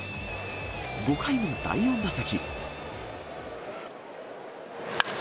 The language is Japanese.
５回の第４打席。